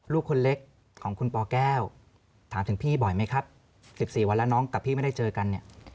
ลูกคนเล็กของคุณปแก้วถามถึงพี่บ่อยไหมครับ๑๔วันแล้วน้องกับพี่ไม่ได้เจอกันเนี่ย